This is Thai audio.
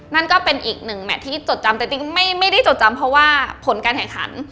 นั่นก็เป็นอีกหนึ่งแมทที่จดจำแต่จริงไม่ได้จดจำเพราะว่าผลการแข่งขัน